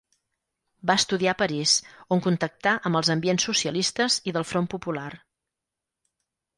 Va estudiar a París, on contactà amb els ambients socialistes i del Front Popular.